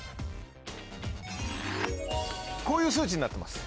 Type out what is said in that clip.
・こういう数値になってます。